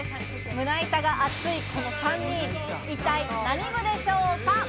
胸板が厚いこの３人、一体何部でしょうか？